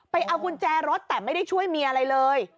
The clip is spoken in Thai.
เอากุญแจรถแต่ไม่ได้ช่วยเมียอะไรเลย